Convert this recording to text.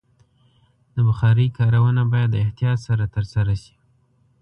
د بخارۍ کارونه باید د احتیاط سره ترسره شي.